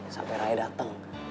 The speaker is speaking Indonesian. sampai raya dateng